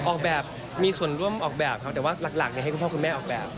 ออกแบบมีส่วนร่วมออกแบบครับแต่ว่าหลักให้คุณพ่อคุณแม่ออกแบบ